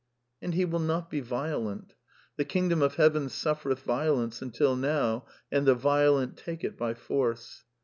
And he will not be violent. " The Kingdom of Heaven suffereth violence until now, and the violent take it by force."